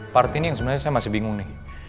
parti ini yang sebenernya saya masih bingung nih